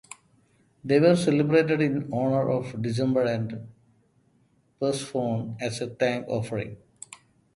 They were celebrated in honor of Demeter and Persephone as a thank-offering.